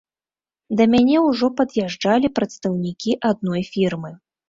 Да мяне ўжо пад'язджалі прадстаўнікі адной фірмы.